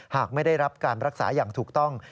หากไม่ได้รับการรักษาอย่างถูกต้อง